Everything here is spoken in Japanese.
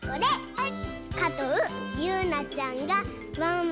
はい。